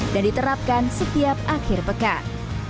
dan diterapkan setiap akhir pekan